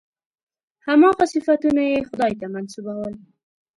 هماغه صفتونه یې خدای ته منسوبول.